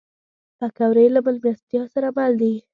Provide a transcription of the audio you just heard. پکورې له میلمستیا سره مل دي